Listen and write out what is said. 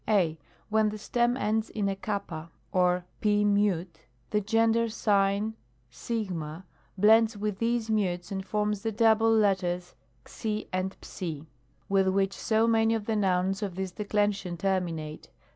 I. When the stem ends in a xanna or Pi Mute the gender sign o blends with these mutes and forms the double letters ^ and ^, with which so many of the nouns of this declension terminate.